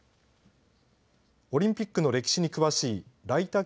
オリンピックの歴史に詳しい來田